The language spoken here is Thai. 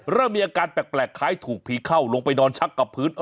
เริ่มมีอาการแปลกคล้ายถูกผีเข้าลงไปนอนชักกับพื้น